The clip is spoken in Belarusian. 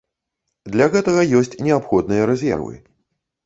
Для гэтага ёсць неабходныя рэзервы.